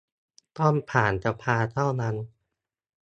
ต้องผ่านสภาเท่านั้น